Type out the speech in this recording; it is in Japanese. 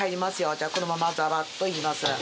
じゃあこのままざばっといきます。